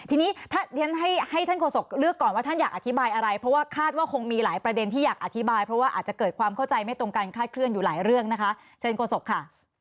ทีนี้ถ้าเรียนให้ท่านโศกเลือกก่อนว่าท่านอยากอธิบายอะไรเพราะว่าคาดว่าคงมีหลายประเด็นที่อยากอธิบายเพราะว่าอาจจะเกิดความเข้าใจไม่ตรงกันคาดเคลื่อนอยู่หลายเรื่องนะคะเชิญโศกค่ะ